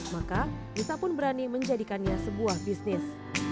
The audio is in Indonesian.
maka nisa pun berani menjadikannya sebuah bisnis